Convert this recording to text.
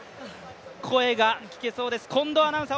声が聞けそうです。